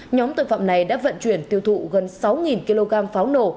nhóm tội phạm này đã vận chuyển tiêu thụ gần sáu kg pháo nổ